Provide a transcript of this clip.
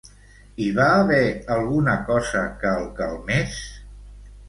Hi va haver alguna cosa que el calmés?